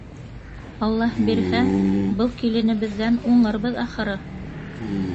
— Алла бирһә, был киленебеҙҙән уңырбыҙ, ахыры.